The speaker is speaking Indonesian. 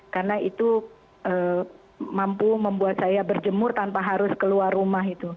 karena itu mampu membuat saya berjemur tanpa harus keluar rumah